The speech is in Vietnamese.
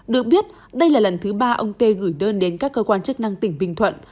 được biết đây là lần thứ ba ông tê gửi đơn đến các cơ quan chức năng tỉnh bình thuận